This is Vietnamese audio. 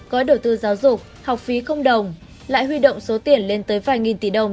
có đầu tư giáo dục học phí không đồng lại huy động số tiền lên tới vài nghìn tỷ đồng